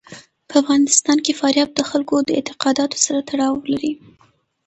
په افغانستان کې فاریاب د خلکو د اعتقاداتو سره تړاو لري.